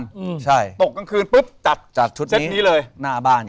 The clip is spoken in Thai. วีคูยม้อนนี้คือตกกลางคืนปุ๊บจัดชุดนี้หน้าบ้านเลย